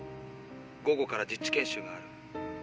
午後から実地研修がある。